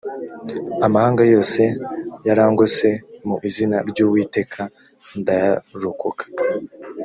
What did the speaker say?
amahanga yose yarangose mu izina ry’ uwiteka ndayarokoka